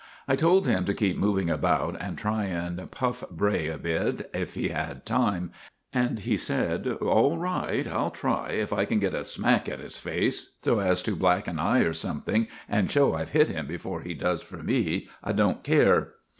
I told him to keep moving about and try and puff Bray a bit if he had time, and he said: "All right, I'll try. If I can get a smack at his face, so as to black an eye or something, and show I've hit him before he does for me, I don't care."